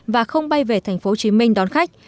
và không bay về tp hcm đón khách